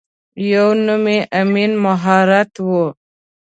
یوه نوم یې امین مهات وه.